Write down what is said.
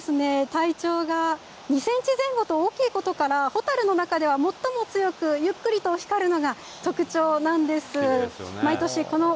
体長が２センチ前後と大きいことから蛍の中では最も強くゆっくりと光るのが特徴なんです。